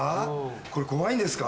これ怖いんですか？